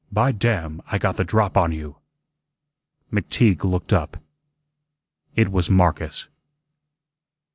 By damn, I got the drop on you!" McTeague looked up. It was Marcus.